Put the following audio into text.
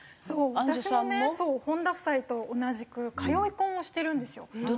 そう私もね本田夫妻と同じく通い婚をしてるんですよ。